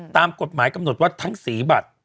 ตามกฎหมายกำหนดว่าทั้ง๔บัตร